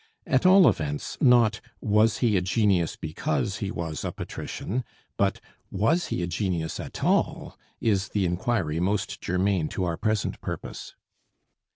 At all events, not, Was he a genius because he was a, patrician? but, Was he a genius at all? is the inquiry most germane to our present purpose.